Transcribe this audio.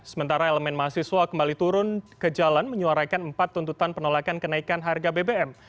sementara elemen mahasiswa kembali turun ke jalan menyuarakan empat tuntutan penolakan kenaikan harga bbm